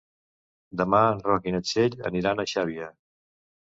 Demà en Roc i na Txell aniran a Xàbia.